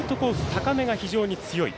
高めが非常に強い。